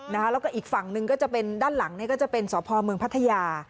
แล้วก็อีกฝั่งหนึ่งก็จะเป็นด้านหลังก็จะเป็นสพเมืองพัทยา